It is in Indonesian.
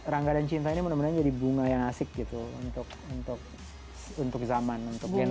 rangga dan cinta ini mudah mudahan jadi bunga yang asik gitu untuk zaman